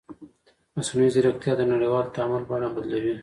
مصنوعي ځیرکتیا د نړیوال تعامل بڼه بدلوي.